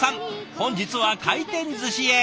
本日は回転寿司へ。